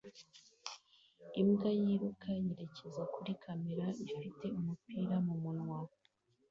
Imbwa yiruka yerekeza kuri kamera ifite umupira mumunwa